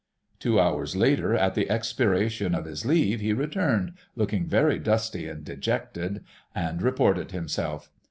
"Two hours later, at the expiration of his leave, he returned, looking very dusty and dejected, and reported himself.